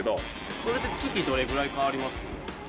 それって月どれぐらい変わります？